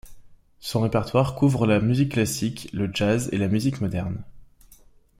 Son répertoire couvre la musique classique, le jazz et la musique moderne.